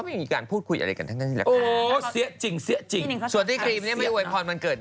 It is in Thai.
ทำด้วยกันด้วยหรอน่ะชื่ออะไรหรอถ่ายอะไรอ่ะ